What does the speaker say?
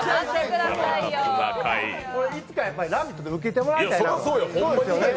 いつかやっぱり「ラヴィット！」で受けてもらいたいなと。